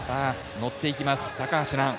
乗っていきます、高橋藍。